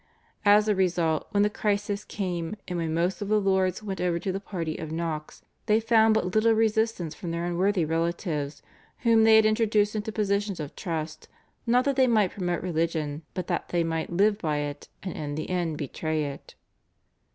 As a result, when the crisis came and when most of the lords went over to the party of Knox, they found but little resistance from their unworthy relatives, whom they had introduced into positions of trust, not that they might promote religion, but that they might live by it, and in the end betray it.